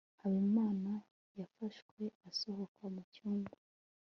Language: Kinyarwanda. habimana yafashwe asohoka mu cyumba